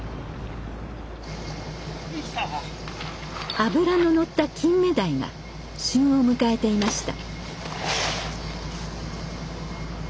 脂の乗ったキンメダイが旬を迎えていました。